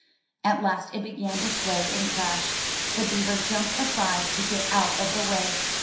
At last it began to sway and crash. The Beaver jumped aside to get out of the way.